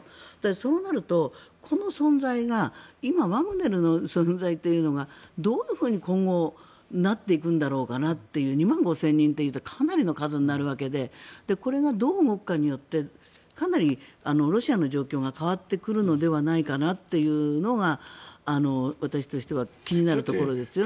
そうなるとこの存在が今ワグネルの存在というのがどう今後なっていくんだろうかという２万５０００人というとかなりの数になるわけでこれがどう動くかによってかなりロシアの状況が変わってくるのではないかなというのが私としては気になるところですよね。